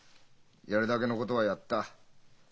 やるだけのことはやった。